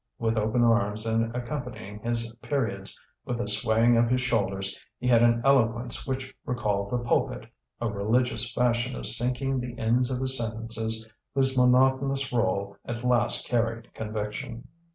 With open arms and accompanying his periods with a swaying of his shoulders, he had an eloquence which recalled the pulpit, a religious fashion of sinking the ends of his sentences whose monotonous roll at last carried conviction.